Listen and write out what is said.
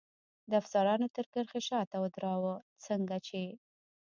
د افسرانو تر کرښې شاته ودراوه، څنګه چې.